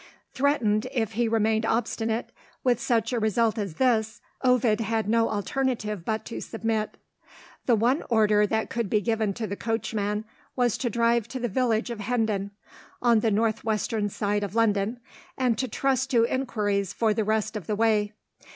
Threatened, if he remained obstinate, with such a result as this, Ovid had no alternative but to submit. The one order that could be given to the coachman was to drive to the village of Hendon, on the north western side of London, and to trust to inquiries for the rest of the way.